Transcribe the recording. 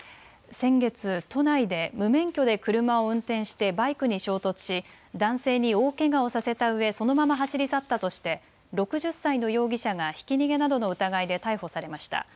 先月、都内で無免許で車を運転してバイクに衝突し男性に大けがをさせたうえ、そのまま走り去ったとして６０歳の容疑者がひき逃げなどの疑いで逮捕されました。